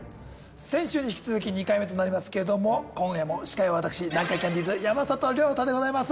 先週に引き続き２回目となりますけども今夜も司会はわたくし南海キャンディーズ山里亮太でございます。